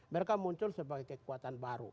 mereka muncul sebagai kekuatan baru